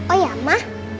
oh ya mah